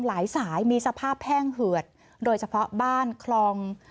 สายมีสภาพแห้งเหือดโดยเฉพาะบ้านคลอง